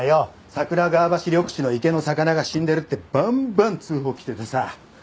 桜川橋緑地の池の魚が死んでるってバンバン通報来ててさ。